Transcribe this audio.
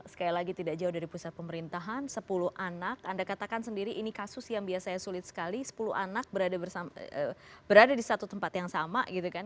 sekali lagi tidak jauh dari pusat pemerintahan sepuluh anak anda katakan sendiri ini kasus yang biasanya sulit sekali sepuluh anak berada di satu tempat yang sama gitu kan